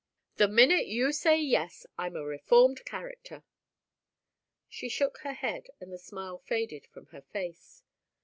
The minute you say 'yes,' I'm a reformed character." She shook her head and the smile faded from her face.